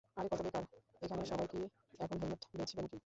আরে কতো বেকার এখানে, সবাই কি এখন হেলমেট বেচবে নাকি?